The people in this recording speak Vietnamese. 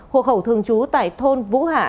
hộ khẩu thường trú tại thôn vũ hạ